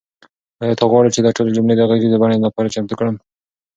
آیا ته غواړې چې دا ټولې جملې د غږیزې بڼې لپاره چمتو کړم؟